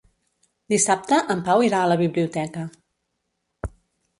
Dissabte en Pau irà a la biblioteca.